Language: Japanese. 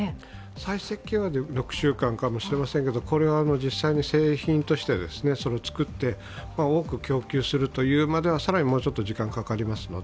再設計は６週間かもしれませんけどこれは実際に製品としては作って、多く供給するというまでは更にもうちょっと時間がかかりますので